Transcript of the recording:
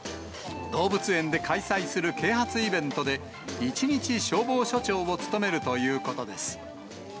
動物園で開催する啓発イベントで、一日消防署長を務めるということです。